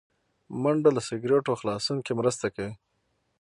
منډه له سګرټو خلاصون کې مرسته کوي